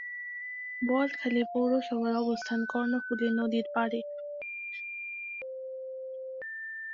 বোয়ালখালী পৌরসভার অবস্থান কর্ণফুলি নদীর পাড়ে।